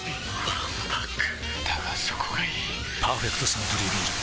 わんぱくだがそこがいい「パーフェクトサントリービール糖質ゼロ」